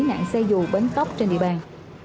nạn xe dù bấn tóc trên địa bàn